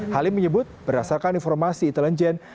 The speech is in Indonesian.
halim menyebut berdasarkan informasi intelijen